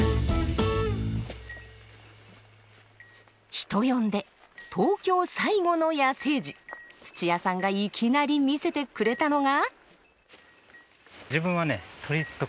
人呼んで東京最後の野生児土屋さんがいきなり見せてくれたのが。